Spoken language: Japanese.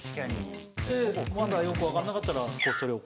でまだよく分かんなかったら。